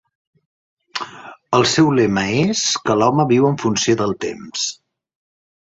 El seu lema és que l'home viu en funció del temps.